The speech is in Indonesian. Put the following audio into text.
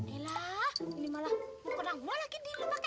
elah ini malah kena gue lagi dilihat